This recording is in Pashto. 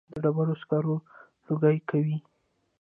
د ډبرو سکاره لوګی کوي